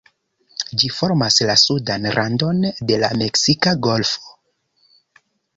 Ĝi formas la sudan randon de la Meksika Golfo.